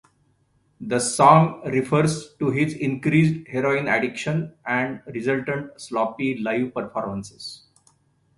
The song refers to his increased heroin addiction and resultant sloppy live performances.